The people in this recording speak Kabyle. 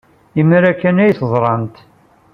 Imir-a kan ay t-teẓramt.